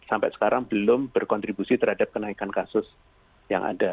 sampai sekarang belum berkontribusi terhadap kenaikan kasus yang ada